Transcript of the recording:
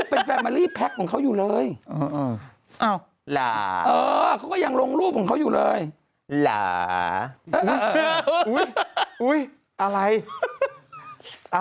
เขาเลิกขนาดหรือยังช่วงนะทุเรียนเขาเหลืออยู่เหมือนเมื่อกี้นะ